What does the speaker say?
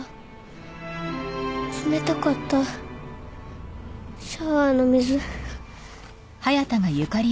冷たかったシャワーの水。